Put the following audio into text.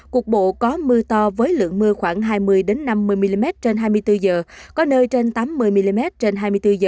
cục bộ có mưa to với lượng mưa khoảng hai mươi năm mươi mm trên hai mươi bốn h có nơi trên tám mươi mm trên hai mươi bốn h